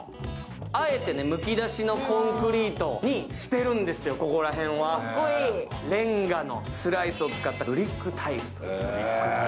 あえてむき出しのコンクリートにしてるんですよ、ここら辺は煉瓦のスライスを使ったブリックタイプ。